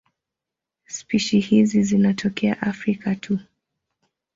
Spishi hizi zinatokea Afrika tu.